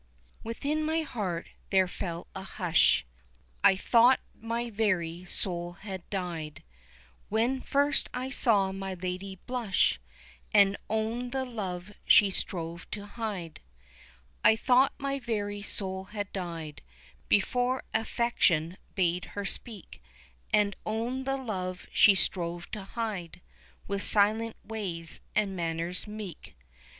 Within my heart there fell a hush, I thought my very soul had died, When first I saw my lady blush And own the love she strove to hide. I thought my very soul had died Before affection bade her speak, And own the love she strove to hide With silent ways and manners meek.